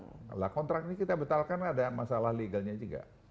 nah kontrak ini kita betalkan ada masalah legalnya juga